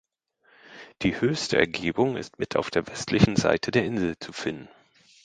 Die höchste Ergebung ist mit auf der westlichen Seite der Insel zu finden.